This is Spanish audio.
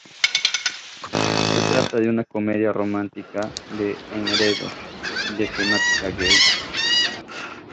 Se trata de una comedia romántica de enredo de temática gay.